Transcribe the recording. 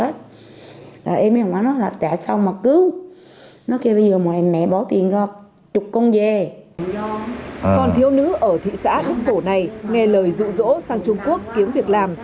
tại trung quốc con thiếu nữ ở thị xã đức phổ này nghe lời dụ dỗ sang trung quốc kiếm việc làm